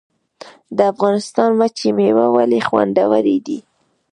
د افغانستان وچې میوې ولې خوندورې دي؟